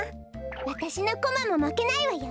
わたしのコマもまけないわよ。